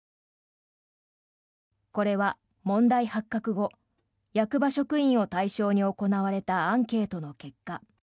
これは問題発覚後役場職員を対象に行われたアンケートの結果。